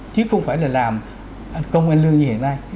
chứ không phải là làm công an lưu như hiện nay